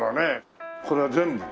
これは全部？